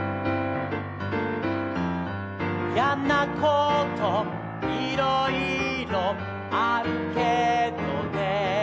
「やなこといろいろあるけどね」